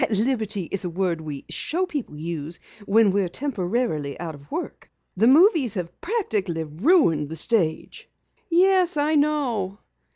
"'At liberty' is a word we show people use when we're temporarily out of work. The movies have practically ruined the stage." "Yes, I know."